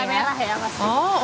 gula merah ya pasti